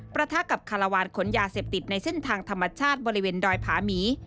ประทะกับคาราวาลขนยาเสพติดในเส้นทางธรรมชาติบริเวณดอยผาหมี